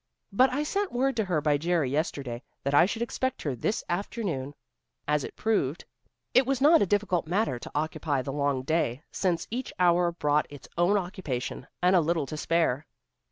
But I sent word to her by Jerry, yesterday, that I should expect her this afternoon." As it proved, it was not a difficult matter to occupy the long day, since each hour brought its own occupation and a little to spare.